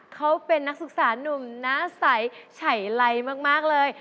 เขาเป็นนักศึกษานุ่มหน้าใสไฉไลมากเลย